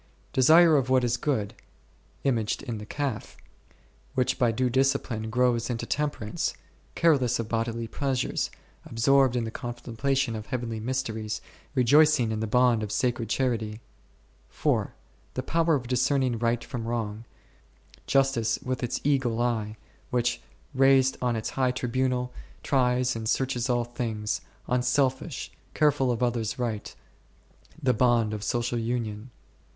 Desire of what is good (imaged in the calf), which by due discipline grows into Temperance, careless of bodily pleasures, absorbed in the contemplation of heavenly mysteries, rejoicing in the bond of sacred charity ; 4. The power of discerning right from wrong, Justice with its eagle eye, which, raised on its high tribunal, tries and 6 Ezek. i. 1—10. 1 See Ch. xv. 54 On P?olfi ^trgtmtg. searches all things, unselfish, careful of others' right, the bond of social union.